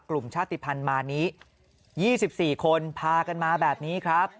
กลุ่มชาติภัณฑ์มานี้๒๔คนพากันมาแบบนี้ครับ